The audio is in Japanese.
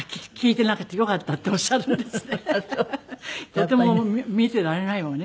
とても見ていられないわね